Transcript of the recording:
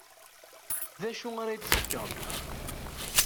D acu ara yi-d-tefkeḍ?